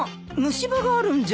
虫歯があるんじゃ？